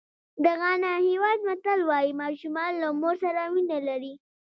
د غانا هېواد متل وایي ماشومان له مور سره مینه لري.